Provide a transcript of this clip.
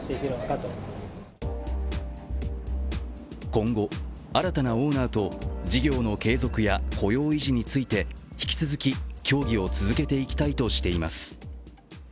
今後、新たなオーナーと事業の継続や雇用維持について引き続き協議を続けていきたいとしています。